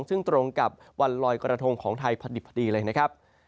ซึ่งตรงกับวันลอยกระทงของไทยพอดิบพอดีเลยนะครับ